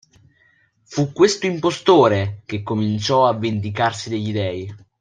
Fu questo impostore che cominciò a vendicarsi degli dei.